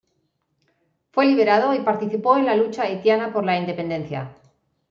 Fue liberado y participó en la lucha haitiana por la independencia.